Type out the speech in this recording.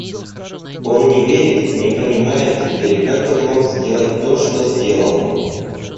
Он не верит, не понимает теперь, как он мог сделать то, что сделал.